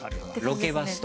ロケバスとか？